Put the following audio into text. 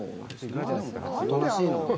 おとなしいので。